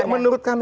ya menurut kami